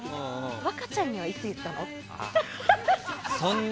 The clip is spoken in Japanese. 若ちゃんにはいつ言ったの？って。